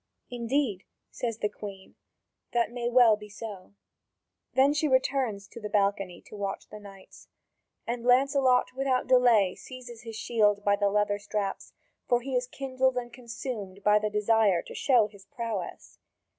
"Indeed," says the Queen, "that may well be so." Then she returns to the balcony to watch the knights. And Lancelot without delay seizes his shield by the leather straps, for he is kindled and consumed by the desire to show his prowess.